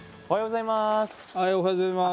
おはようございます。